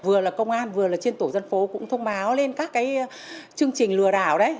vừa là công an vừa là trên tổ dân phố cũng thông báo lên các cái chương trình lừa đảo đấy